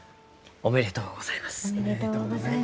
おめでとうございます。